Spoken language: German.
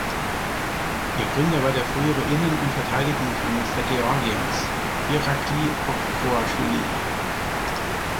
Ihr Gründer war der frühere Innen- und Verteidigungsminister Georgiens, Irakli Okruaschwili.